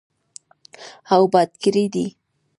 او اباد کړی دی.